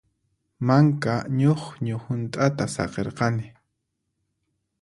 Manka ñuqñu hunt'ata saqirqani.